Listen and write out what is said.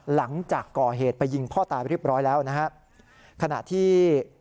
หลังจากก่อเหตุไปยิงพ่อตายเรียบร้อยแล้วนะฮะขณะที่